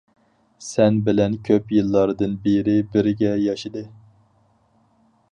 سەن بىلەن كۆپ يىللاردىن بېرى بىرگە ياشىدى.